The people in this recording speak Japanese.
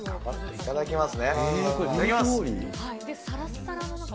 いただきます。